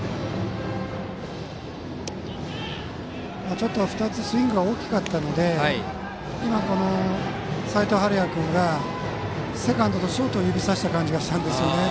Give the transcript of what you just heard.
ちょっと、２つスイングが大きかったので今、齋藤敏哉君がセカンドとショートを指さした気がしたんですね。